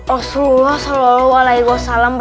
rasulullah salallahu alaihi wasalam